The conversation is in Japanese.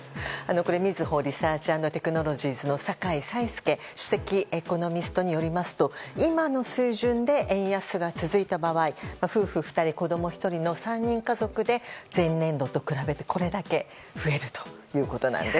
これはみずほリサーチ＆テクノロジーズの酒井才介首席エコノミストによりますと今の水準で円安が続いた場合夫婦２人、子供１人の３人家族で前年度と比べて、これだけ増えるということなんです。